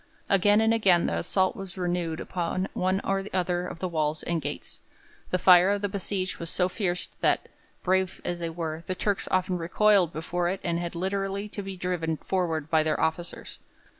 Again and again the assault was renewed upon one or other of the walls and gates. The fire of the besieged was so fierce that, brave as they were, the Turks often recoiled before it and had literally to be driven forward by their officers.